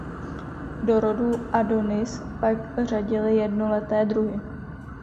Do rodu "Adonis" pak řadili jednoleté druhy.